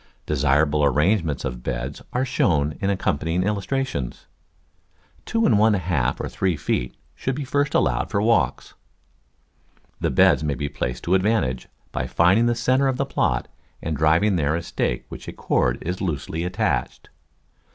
Desirable arrangements of beds are shown in accompanying illustrations. Two and one half or three feet should first be allowed for walks. The beds may be placed to advantage by finding the centre of the plot and driving there a stake to which a cord is loosely at tached!